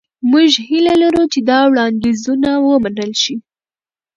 موږ هیله لرو چې دا وړاندیزونه ومنل شي.